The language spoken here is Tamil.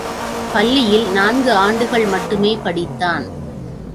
பள்ளியில் நான்கு ஆண்டுகள் மட்டுமே படித்தான்.